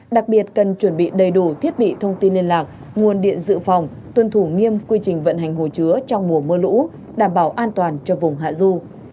đặc biệt cần chuẩn bị đầy đủ thiết bị thông tin liên lạc nguồn điện dự phòng tuân thủ nghiêm quy trình vận hành hồ chứa trong mùa mưa lũ đảm bảo an toàn cho vùng hạ du